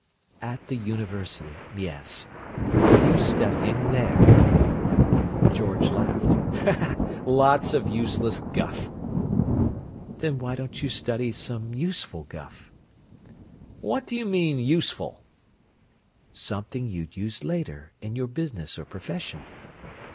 "At the university! Yes. What are you studying there?" George laughed. "Lot o' useless guff!" "Then why don't you study some useful guff?" "What do you mean: 'useful'?" "Something you'd use later, in your business or profession?"